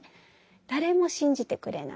誰も信じてくれない。